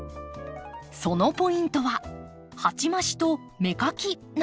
そのポイントは鉢増しと芽かきなんです。